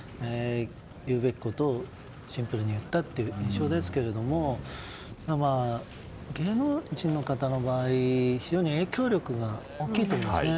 言うべきことをシンプルに言ったという印象ですが芸能人の方の場合、影響力が非常に大きいと思うんですね。